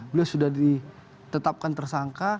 beliau sudah ditetapkan tersangka